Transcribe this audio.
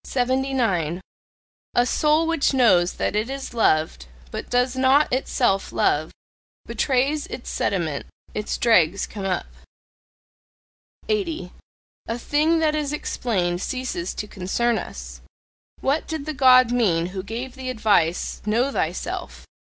A soul which knows that it is loved, but does not itself love, betrays its sediment: its dregs come up. 80. A thing that is explained ceases to concern us What did the God mean who gave the advice, "Know thyself!"